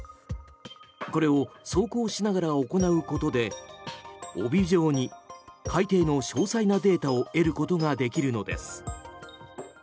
これを走行しながら行うことで帯状に海底の詳細なデータを得ることができるのです。